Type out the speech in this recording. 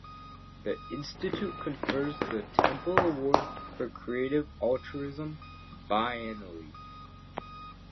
The institute confers the Temple Award for Creative Altruism, biennially.